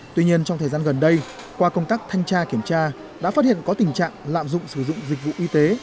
tuy nhiên trong thời gian gần đây qua công tác thanh tra kiểm tra đã phát hiện có tình trạng lạm dụng sử dụng dịch vụ y tế